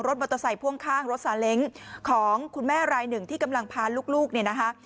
มอเตอร์ไซค์พ่วงข้างรถสาเล้งของคุณแม่รายหนึ่งที่กำลังพาลูกเนี่ยนะคะ